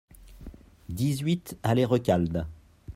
dix-huit allée Recalde